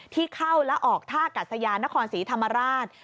ที่เข้าและออกท่ากัศยานนครศรีธรรมราช